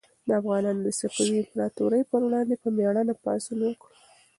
افغانانو د صفوي امپراطورۍ پر وړاندې په مېړانه پاڅون وکړ.